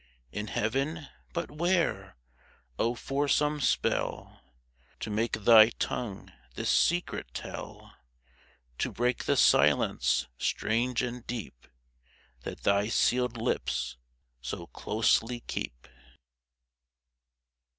In heaven ? But where ? Oh for some spell To make thy tongue this secret tell ! To break the silence strange and deep. That thy sealed lips so closely keep